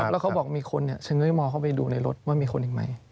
แล้วเขาบอกมีคนเฉง้อมองเข้าไปดูในรถว่ามีคนอีกไหม